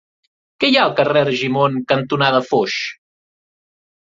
Què hi ha al carrer Argimon cantonada Foix?